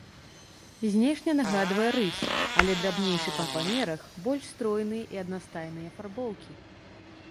Знешне нагадвае рысь, але драбнейшы па памерах, больш стройны і аднастайнай афарбоўкі.